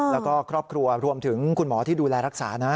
แล้วก็ครอบครัวรวมถึงคุณหมอที่ดูแลรักษานะ